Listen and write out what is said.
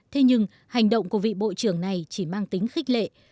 thế nhưng hành động của vị bộ trưởng này chỉ mang tính khích lệ